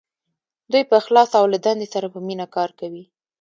دوی په اخلاص او له دندې سره په مینه کار کوي.